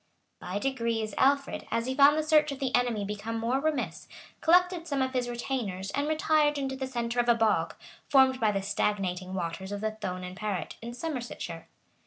[*] By degrees, Alfred, as he found the search of the enemy become more remiss, collected some of his retainers, and retired into the centre of a bog, formed by the stagnating waters of the Thone and Parret, in Somersetshire.